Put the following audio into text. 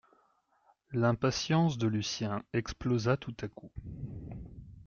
L’impatience de Lucien explosa tout à coup.